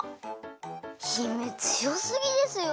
姫つよすぎですよ。